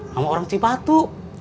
sama orang cipatu